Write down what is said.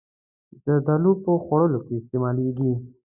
زردالو په خوړو کې استعمالېږي.